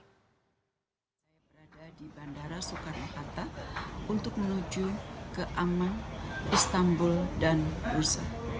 saya berada di bandara soekarno hatta untuk menuju ke aman istanbul dan rusa